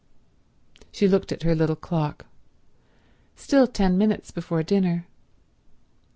She looked at her little clock. Still ten minutes before dinner.